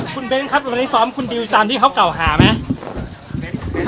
คุณเบ้นครับวันนี้ซ้อมคุณดิวตามที่เขาเก่าหาไหม